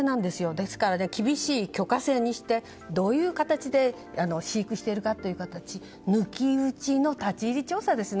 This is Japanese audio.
ですから厳しい許可制にしてどういう形で飼育しているか抜き打ちの立ち入り調査ですね。